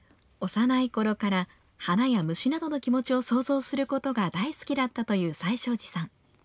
幼いころから、花や虫などの気持ちを想像することが大好きだったという最勝寺さん。